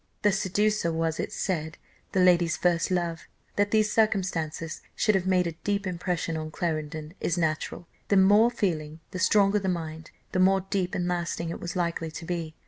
The seducer was, it's said, the lady's first love. That these circumstances should have made a deep impression on Clarendon, is natural; the more feeling the stronger the mind, the more deep and lasting it was likely to be.